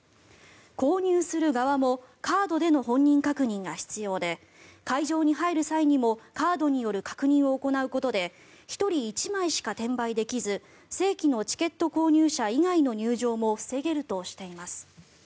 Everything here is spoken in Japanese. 購入する側もカードでの本人確認が必要で会場に入る際にもカードによる確認を行うことで１人１枚しか転売できず正規のチケット購入者以外の入場も防げるとしています。